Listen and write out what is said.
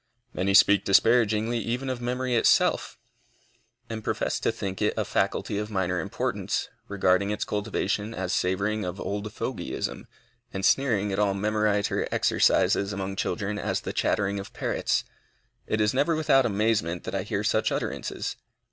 Many speak disparagingly even of memory itself, and profess to think it a faculty of minor importance, regarding its cultivation as savoring of old fogyism, and sneering at all memoriter exercises among children as the chattering of parrots. It is never without amazement that I hear such utterances.